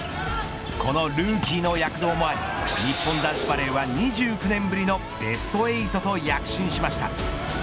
このルーキーの躍動もあり日本男子バレーは２９年ぶりのベスト８と躍進しました。